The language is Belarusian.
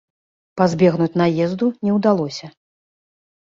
Пазбегнуць наезду не ўдалося.